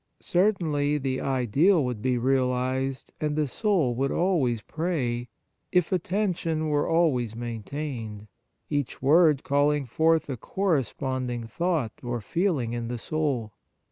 Certainly the ideal would be realized and the soul would always pray, if attention were always main tained, each word calling forth a corresponding thought or feeling in the soul.